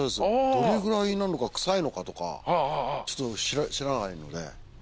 どれぐらいなのか臭いのかとかちょっと知らないので。